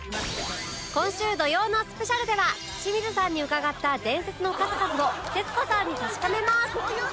今週土曜のスペシャルでは清水さんに伺った伝説の数々を徹子さんに確かめます！